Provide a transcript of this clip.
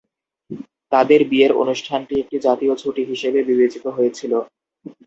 তাদের বিয়ের অনুষ্ঠানটি একটি জাতীয় ছুটি হিসেবে বিবেচিত হয়েছিল।